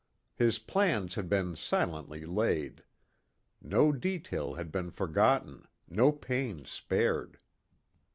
His plans had been silently laid. No detail had been forgotten, no pains spared.